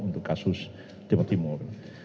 untuk kasus timur timur